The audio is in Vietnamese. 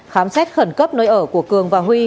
khám xét khẩn cấp nơi ở của cường và huy